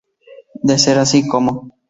De ser así, ¿cómo?